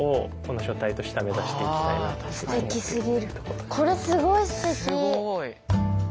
これすごいすてき。